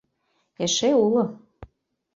Эше уло.